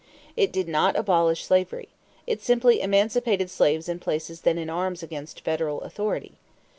It did not abolish slavery. It simply emancipated slaves in places then in arms against federal authority.